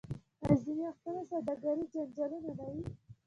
آیا ځینې وختونه سوداګریز جنجالونه نه وي؟